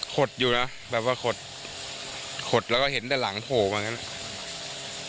ขดอยู่น่ะแบบว่าขดขดแล้วก็เห็นแต่หลังโผล่เหมือนกันอ่ะ